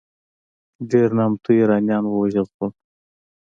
ډېر نامتو ایرانیان ووژل شول.